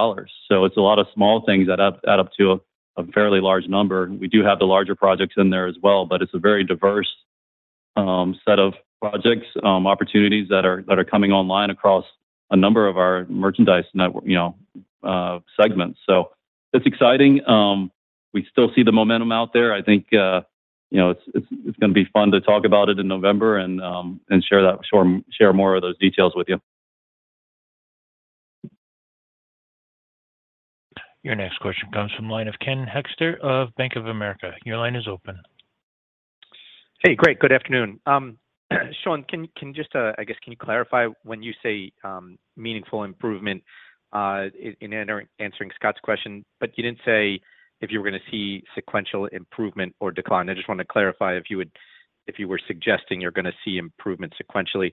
So it's a lot of small things that add up to a fairly large number. We do have the larger projects in there as well, but it's a very diverse set of projects, opportunities that are coming online across a number of our merchandise segments. So it's exciting. We still see the momentum out there. I think it's going to be fun to talk about it in November and share more of those details with you. Your next question comes from the line of Ken Hoexter of Bank of America. Your line is open. Hey, great. Good afternoon. Sean, can you just, I guess, can you clarify when you say meaningful improvement in answering Scott's question, but you didn't say if you were going to see sequential improvement or decline? I just want to clarify if you were suggesting you're going to see improvement sequentially.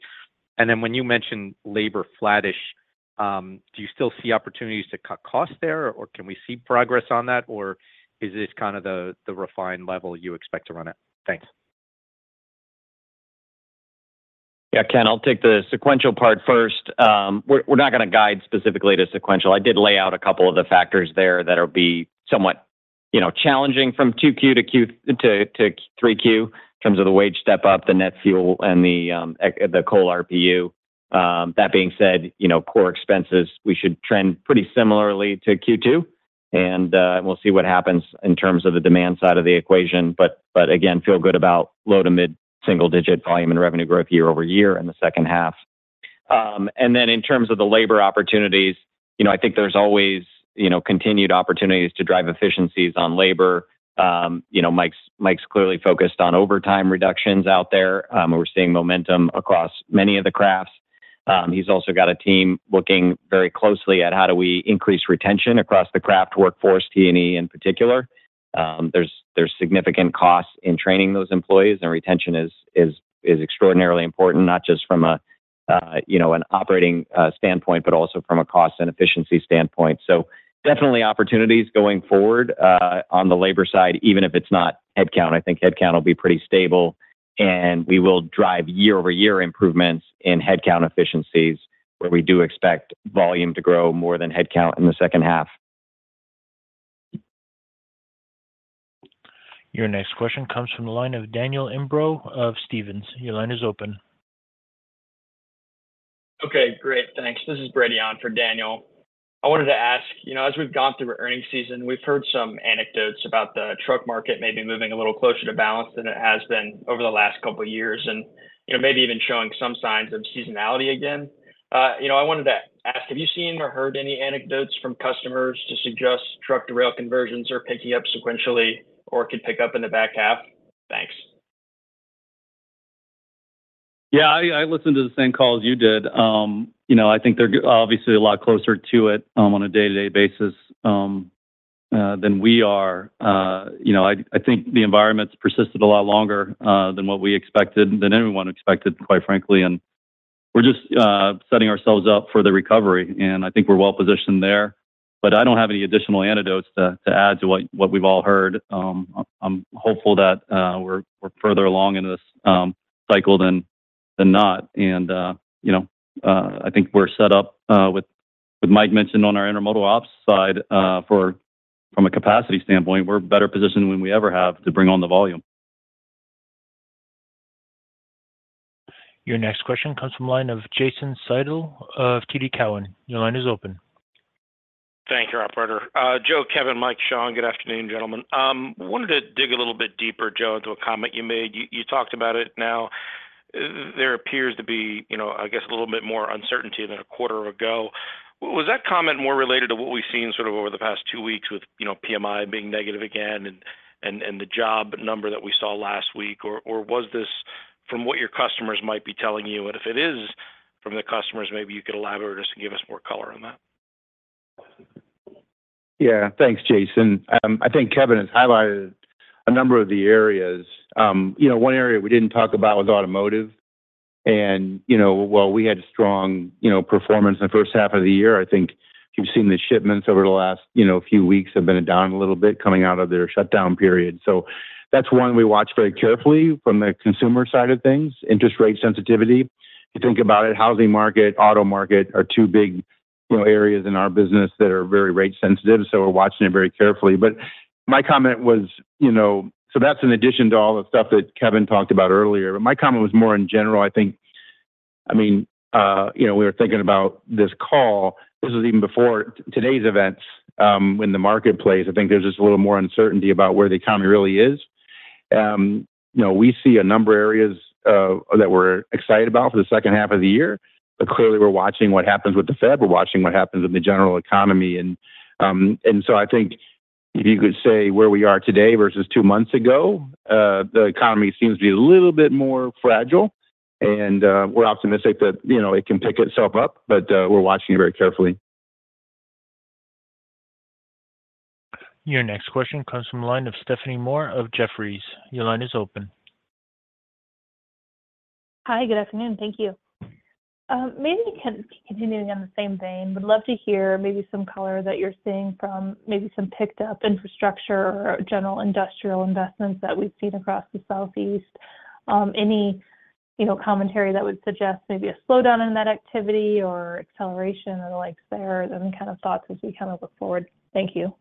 And then when you mentioned labor flattish, do you still see opportunities to cut costs there, or can we see progress on that, or is this kind of the refined level you expect to run at? Thanks. Yeah, Ken, I'll take the sequential part first. We're not going to guide specifically to sequential. I did lay out a couple of the factors there that will be somewhat challenging from 2Q to 3Q in terms of the wage step-up, the net fuel, and the coal RPU. That being said, core expenses, we should trend pretty similarly to Q2, and we'll see what happens in terms of the demand side of the equation. But again, feel good about low to mid single-digit volume and revenue growth year-over-year in the second half. And then in terms of the labor opportunities, I think there's always continued opportunities to drive efficiencies on labor. Mike's clearly focused on overtime reductions out there. We're seeing momentum across many of the crafts. He's also got a team looking very closely at how do we increase retention across the craft workforce, T&E in particular. There's significant costs in training those employees, and retention is extraordinarily important, not just from an operating standpoint, but also from a cost and efficiency standpoint. So definitely opportunities going forward on the labor side, even if it's not headcount. I think headcount will be pretty stable, and we will drive year-over-year improvements in headcount efficiencies, where we do expect volume to grow more than headcount in the second half. Your next question comes from the line of Daniel Imbro of Stephens. Your line is open. Okay, great. Thanks. This is Brady on for Daniel. I wanted to ask, as we've gone through earnings season, we've heard some anecdotes about the truck market maybe moving a little closer to balance than it has been over the last couple of years, and maybe even showing some signs of seasonality again. I wanted to ask, have you seen or heard any anecdotes from customers to suggest truck-to-rail conversions are picking up sequentially or could pick up in the back half? Thanks. Yeah, I listened to the same calls you did. I think they're obviously a lot closer to it on a day-to-day basis than we are. I think the environment's persisted a lot longer than what we expected, than anyone expected, quite frankly. And we're just setting ourselves up for the recovery, and I think we're well-positioned there. But I don't have any additional anecdotes to add to what we've all heard. I'm hopeful that we're further along in this cycle than not. And I think we're set up, with Mike mentioned on our Intermodal Ops side, from a capacity standpoint, we're better positioned than we ever have to bring on the volume. Your next question comes from the line of Jason Seidl of TD Cowen. Your line is open. Thank you, Operator. Joe, Kevin, Mike, Sean, good afternoon, gentlemen. I wanted to dig a little bit deeper, Joe, into a comment you made. You talked about it now. There appears to be, I guess, a little bit more uncertainty than a quarter ago. Was that comment more related to what we've seen sort of over the past two weeks with PMI being negative again and the job number that we saw last week, or was this from what your customers might be telling you? And if it is from the customers, maybe you could elaborate or just give us more color on that. Yeah, thanks, Jason. I think Kevin has highlighted a number of the areas. One area we didn't talk about was automotive. And while we had strong performance in the first half of the year, I think you've seen the shipments over the last few weeks have been down a little bit coming out of their shutdown period. So that's one we watch very carefully from the consumer side of things, interest rate sensitivity. You think about it, housing market, auto market are two big areas in our business that are very rate sensitive. So we're watching it very carefully. But my comment was, so that's in addition to all the stuff that Kevin talked about earlier. But my comment was more in general. I think, I mean, we were thinking about this call. This was even before today's events, when the marketplace, I think, there's just a little more uncertainty about where the economy really is. We see a number of areas that we're excited about for the second half of the year. But clearly, we're watching what happens with the Fed. We're watching what happens in the general economy. And so I think if you could say where we are today versus two months ago, the economy seems to be a little bit more fragile. And we're optimistic that it can pick itself up, but we're watching it very carefully. Your next question comes from the line of Stephanie Moore of Jefferies. Your line is open. Hi, good afternoon. Thank you. Maybe continuing on the same vein, would love to hear maybe some color that you're seeing from maybe some picked-up infrastructure or general industrial investments that we've seen across the Southeast. Any commentary that would suggest maybe a slowdown in that activity or acceleration or the likes there? Any kind of thoughts as we kind of look forward? Thank you.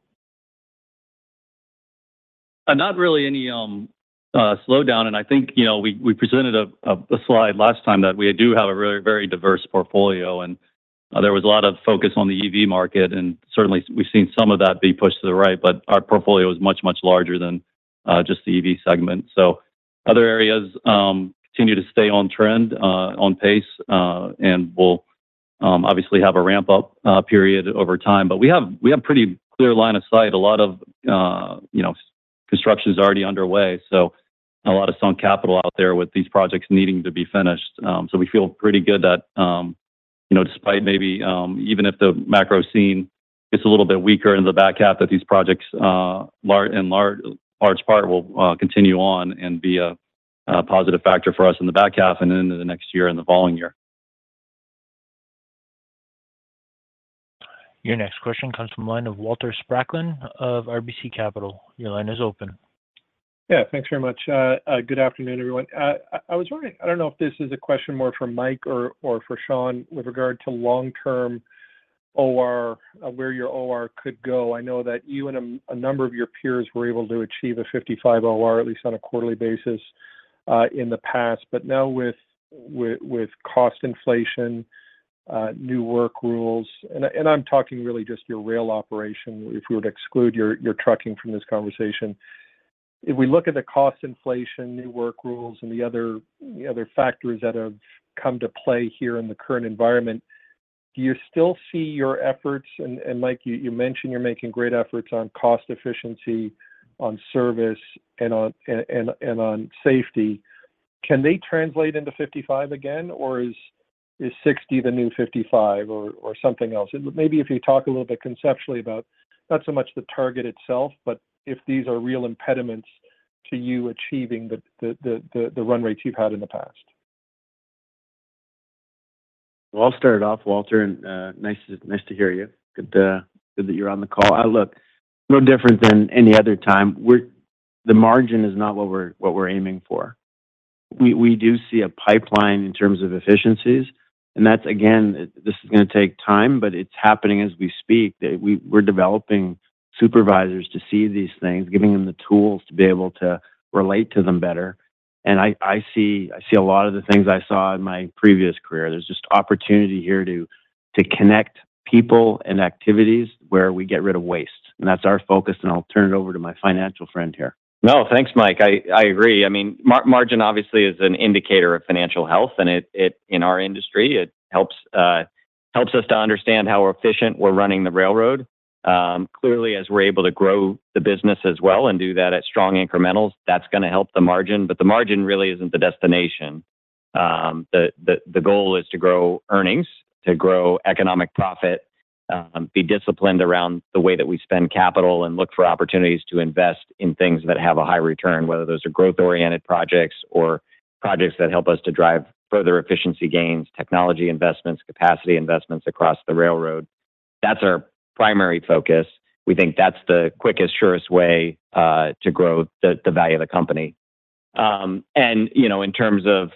Not really any slowdown. I think we presented a slide last time that we do have a very diverse portfolio. There was a lot of focus on the EV market, and certainly, we've seen some of that be pushed to the right, but our portfolio is much, much larger than just the EV segment. So other areas continue to stay on trend, on pace, and will obviously have a ramp-up period over time. But we have a pretty clear line of sight. A lot of construction is already underway. A lot of sunk capital out there with these projects needing to be finished. We feel pretty good that despite maybe even if the macro scene gets a little bit weaker in the back half, that these projects in large part will continue on and be a positive factor for us in the back half and into the next year and the following year. Your next question comes from the line of Walter Spracklin of RBC Capital. Your line is open. Yeah, thanks very much. Good afternoon, everyone. I was wondering, I don't know if this is a question more for Mike or for Sean with regard to long-term OR, where your OR could go. I know that you and a number of your peers were able to achieve a 55 OR, at least on a quarterly basis in the past. But now with cost inflation, new work rules, and I'm talking really just your rail operation, if we were to exclude your trucking from this conversation. If we look at the cost inflation, new work rules, and the other factors that have come to play here in the current environment, do you still see your efforts? And Mike, you mentioned you're making great efforts on cost efficiency, on service, and on safety. Can they translate into 55 again, or is 60 the new 55 or something else? Maybe if you talk a little bit conceptually about not so much the target itself, but if these are real impediments to you achieving the run rates you've had in the past? Well, I'll start it off, Walter, and nice to hear you. Good that you're on the call. Look, no different than any other time. The margin is not what we're aiming for. We do see a pipeline in terms of efficiencies. And that's, again, this is going to take time, but it's happening as we speak. We're developing supervisors to see these things, giving them the tools to be able to relate to them better. And I see a lot of the things I saw in my previous career. There's just opportunity here to connect people and activities where we get rid of waste. And that's our focus, and I'll turn it over to my financial friend here. No, thanks, Mike. I agree. I mean, margin obviously is an indicator of financial health, and in our industry, it helps us to understand how efficient we're running the railroad. Clearly, as we're able to grow the business as well and do that at strong incrementals, that's going to help the margin. But the margin really isn't the destination. The goal is to grow earnings, to grow economic profit, be disciplined around the way that we spend capital, and look for opportunities to invest in things that have a high return, whether those are growth-oriented projects or projects that help us to drive further efficiency gains, technology investments, capacity investments across the railroad. That's our primary focus. We think that's the quickest, surest way to grow the value of the company. In terms of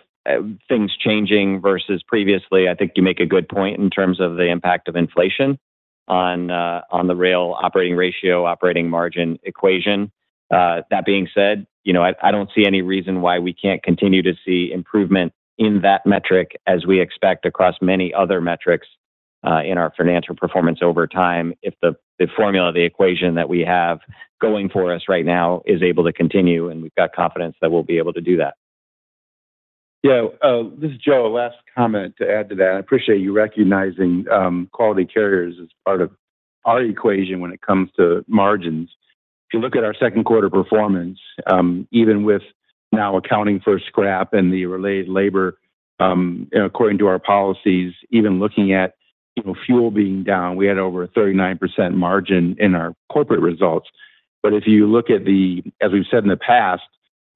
things changing versus previously, I think you make a good point in terms of the impact of inflation on the rail operating ratio, operating margin equation. That being said, I don't see any reason why we can't continue to see improvement in that metric as we expect across many other metrics in our financial performance over time if the formula of the equation that we have going for us right now is able to continue, and we've got confidence that we'll be able to do that. Yeah, this is Joe, a last comment to add to that. I appreciate you recognizing Quality Carriers as part of our equation when it comes to margins. If you look at our second quarter performance, even with now accounting for scrap and the related labor, according to our policies, even looking at fuel being down, we had over a 39% margin in our corporate results. But if you look at the, as we've said in the past,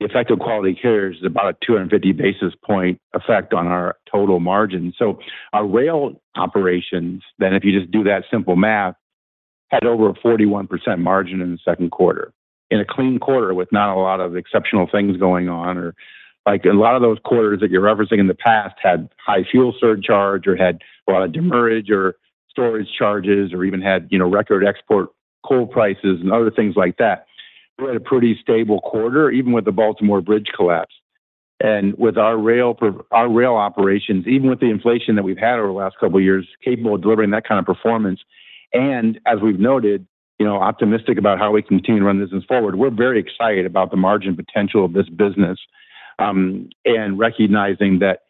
the effect of Quality Carriers is about a 250 basis point effect on our total margin. So our rail operations, then if you just do that simple math, had over a 41% margin in the second quarter, in a clean quarter with not a lot of exceptional things going on. A lot of those quarters that you're referencing in the past had high fuel surcharge or had a lot of demurrage or storage charges or even had record export coal prices and other things like that. We had a pretty stable quarter, even with the Baltimore bridge collapse. With our rail operations, even with the inflation that we've had over the last couple of years, capable of delivering that kind of performance, and as we've noted, optimistic about how we continue to run business forward, we're very excited about the margin potential of this business and recognizing that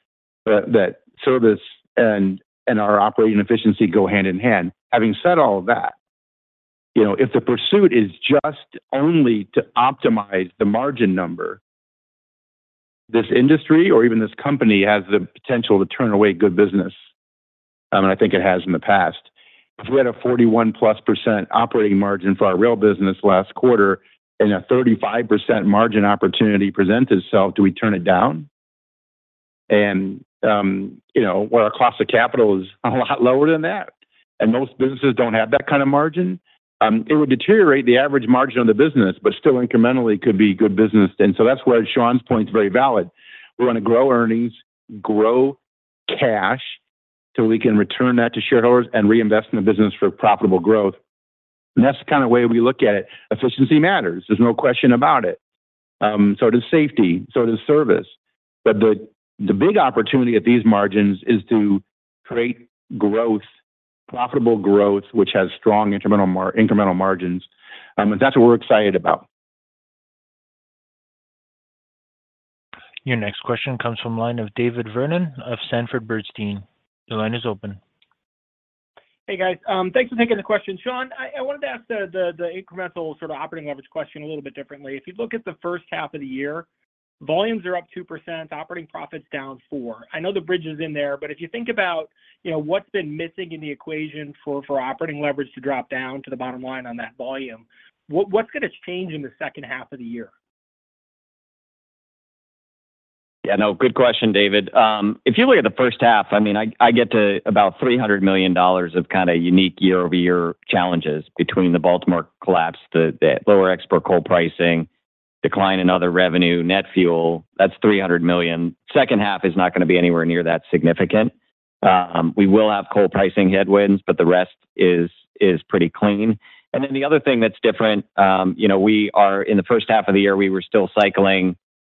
service and our operating efficiency go hand in hand. Having said all of that, if the pursuit is just only to optimize the margin number, this industry or even this company has the potential to turn away good business, and I think it has in the past. If we had a 41+% operating margin for our rail business last quarter and a 35% margin opportunity presented itself, do we turn it down? Our cost of capital is a lot lower than that. Most businesses don't have that kind of margin. It would deteriorate the average margin of the business, but still incrementally could be good business. And so that's where Sean's point's very valid. We want to grow earnings, grow cash so we can return that to shareholders and reinvest in the business for profitable growth. And that's the kind of way we look at it. Efficiency matters. There's no question about it. So does safety. So does service. But the big opportunity at these margins is to create growth, profitable growth, which has strong incremental margins. And that's what we're excited about. Your next question comes from the line of David Vernon of Sanford Bernstein. The line is open. Hey, guys. Thanks for taking the question. Sean, I wanted to ask the incremental sort of operating leverage question a little bit differently. If you look at the first half of the year, volumes are up 2%, operating profits down 4%. I know the bridge is in there, but if you think about what's been missing in the equation for operating leverage to drop down to the bottom line on that volume, what's going to change in the second half of the year? Yeah, no, good question, David. If you look at the first half, I mean, I get to about $300 million of kind of unique year-over-year challenges between the Baltimore collapse, the lower export coal pricing, decline in other revenue, net fuel. That's $300 million. Second half is not going to be anywhere near that significant. We will have coal pricing headwinds, but the rest is pretty clean. And then the other thing that's different, in the first half of the year,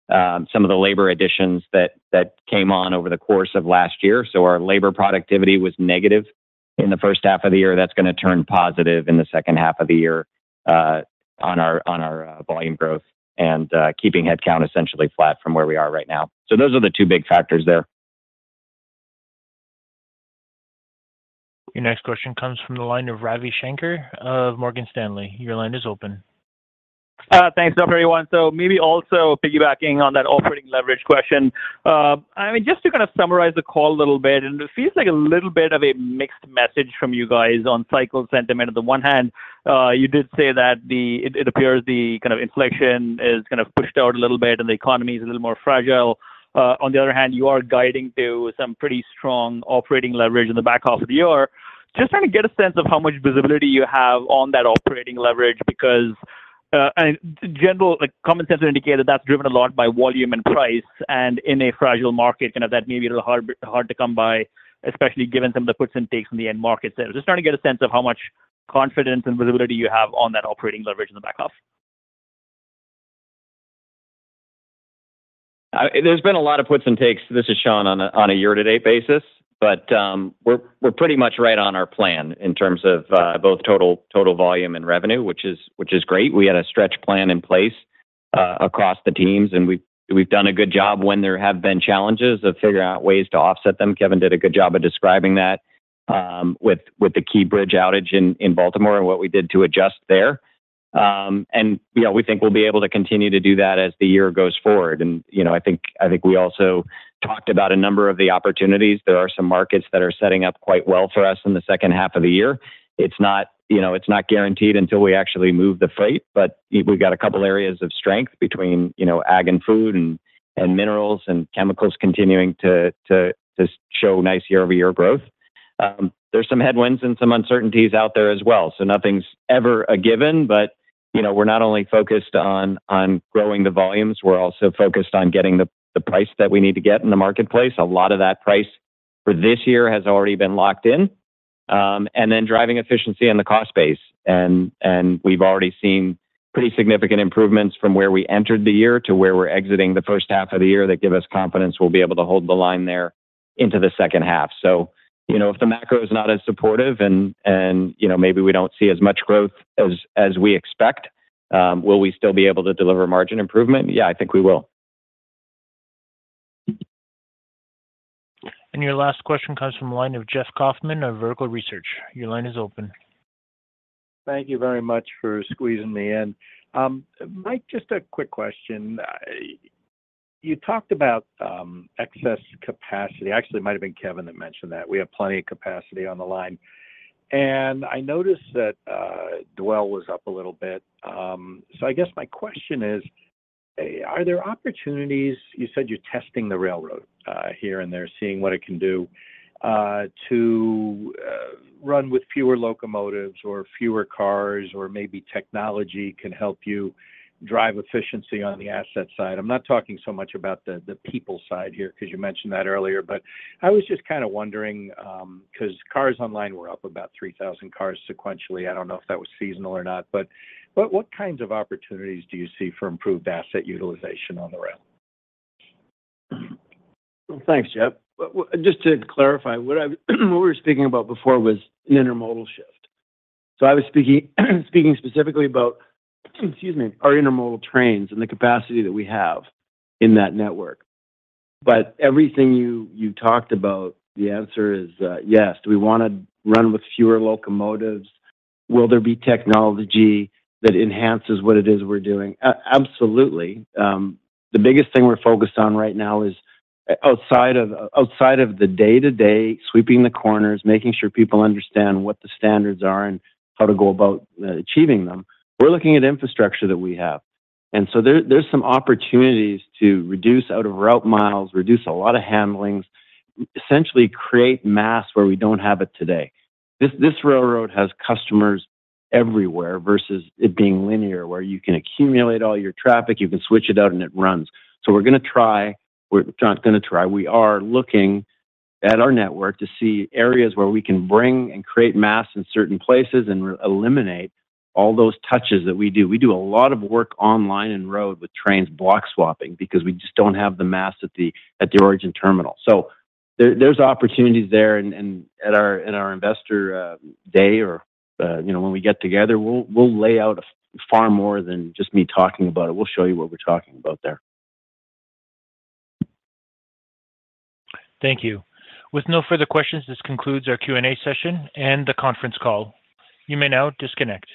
we were still cycling some of the labor additions that came on over the course of last year. So our labor productivity was negative in the first half of the year. That's going to turn positive in the second half of the year on our volume growth and keeping headcount essentially flat from where we are right now. So those are the two big factors there. Your next question comes from the line of Ravi Shanker of Morgan Stanley. Your line is open. Thanks, everyone. So maybe also piggybacking on that operating leverage question, I mean, just to kind of summarize the call a little bit, and it feels like a little bit of a mixed message from you guys on cycle sentiment. On the one hand, you did say that it appears the kind of inflation is kind of pushed out a little bit and the economy is a little more fragile. On the other hand, you are guiding to some pretty strong operating leverage in the back half of the year. Just trying to get a sense of how much visibility you have on that operating leverage because general common sense would indicate that that's driven a lot by volume and price. And in a fragile market, kind of that may be a little hard to come by, especially given some of the puts and takes in the end market. Just trying to get a sense of how much confidence and visibility you have on that operating leverage in the back half? There's been a lot of puts and takes, this is Sean, on a year-to-date basis, but we're pretty much right on our plan in terms of both total volume and revenue, which is great. We had a stretch plan in place across the teams, and we've done a good job when there have been challenges of figuring out ways to offset them. Kevin did a good job of describing that with the Key Bridge outage in Baltimore and what we did to adjust there. We think we'll be able to continue to do that as the year goes forward. I think we also talked about a number of the opportunities. There are some markets that are setting up quite well for us in the second half of the year. It's not guaranteed until we actually move the freight, but we've got a couple of areas of strength between Ag and Food and Minerals and Chemicals continuing to show nice year-over-year growth. There's some headwinds and some uncertainties out there as well. So nothing's ever a given, but we're not only focused on growing the volumes. We're also focused on getting the price that we need to get in the marketplace. A lot of that price for this year has already been locked in. And then driving efficiency in the cost base. And we've already seen pretty significant improvements from where we entered the year to where we're exiting the first half of the year that give us confidence we'll be able to hold the line there into the second half. If the macro is not as supportive and maybe we don't see as much growth as we expect, will we still be able to deliver margin improvement? Yeah, I think we will. And your last question comes from the line of Jeffrey Kauffman of Vertical Research Partners. Your line is open. Thank you very much for squeezing me in. Mike, just a quick question. You talked about excess capacity. Actually, it might have been Kevin that mentioned that. We have plenty of capacity on the line. And I noticed that Dwell was up a little bit. So I guess my question is, are there opportunities? You said you're testing the railroad here and there, seeing what it can do to run with fewer locomotives or fewer cars or maybe technology can help you drive efficiency on the asset side. I'm not talking so much about the people side here because you mentioned that earlier, but I was just kind of wondering because cars online were up about 3,000 cars sequentially. I don't know if that was seasonal or not, but what kinds of opportunities do you see for improved asset utilization on the rail? Well, thanks, Jeff. Just to clarify, what we were speaking about before was an intermodal shift. So I was speaking specifically about, excuse me, our intermodal trains and the capacity that we have in that network. But everything you talked about, the answer is yes. Do we want to run with fewer locomotives? Will there be technology that enhances what it is we're doing? Absolutely. The biggest thing we're focused on right now is outside of the day-to-day, sweeping the corners, making sure people understand what the standards are and how to go about achieving them. We're looking at infrastructure that we have. And so there's some opportunities to reduce out-of-route miles, reduce a lot of handlings, essentially create mass where we don't have it today. This railroad has customers everywhere versus it being linear where you can accumulate all your traffic, you can switch it out, and it runs. So we're going to try. We're not going to try. We are looking at our network to see areas where we can bring and create mass in certain places and eliminate all those touches that we do. We do a lot of work online and road with trains block swapping because we just don't have the mass at the origin terminal. So there's opportunities there. And at our investor day or when we get together, we'll lay out far more than just me talking about it. We'll show you what we're talking about there. Thank you. With no further questions, this concludes our Q&A session and the conference call. You may now disconnect.